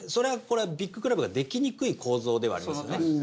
これはビッグクラブができにくい構造ではあります。